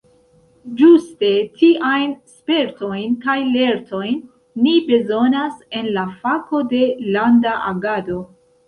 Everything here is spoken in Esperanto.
Ĝuste tiajn spertojn kaj lertojn ni bezonas en la fako de Landa Agado!